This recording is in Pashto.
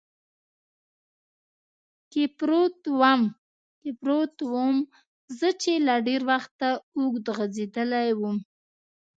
کې پروت ووم، زه چې له ډېر وخته اوږد غځېدلی ووم.